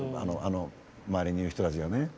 周りにいる人たちがね。